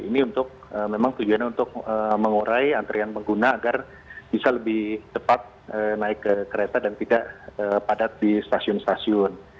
ini untuk memang tujuannya untuk mengurai antrian pengguna agar bisa lebih cepat naik ke kereta dan tidak padat di stasiun stasiun